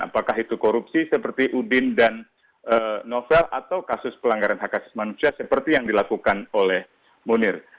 apakah itu korupsi seperti udin dan novel atau kasus pelanggaran hak asasi manusia seperti yang dilakukan oleh munir